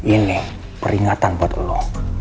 ini peringatan buat lu